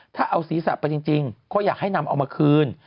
ถ้าเอาศีรษะไปจริงก็อยากให้นำเอามาคืน